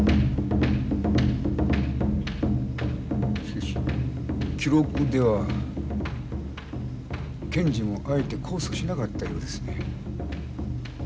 しかし記録では検事もあえて控訴しなかったようですね。